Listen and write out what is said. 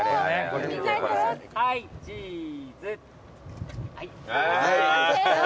はいチーズ。